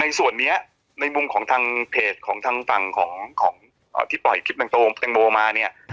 ส่วนนี้ในมุมของทางเพจของทางฝั่งของที่ปล่อยคลิปแตงโมมาเนี่ย